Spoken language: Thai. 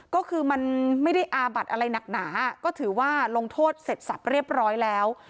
ก็คือมันไม่ได้อาบัดอะไรหนักหนาก็ถือว่าลงโทษเสร็จสับเรียบร้อยแล้ว